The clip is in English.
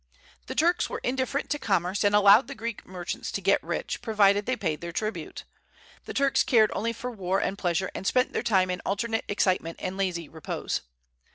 The Turks were indifferent to commerce, and allowed the Greek merchants to get rich, provided they paid their tribute. The Turks cared only for war and pleasure, and spent their time in alternate excitement and lazy repose.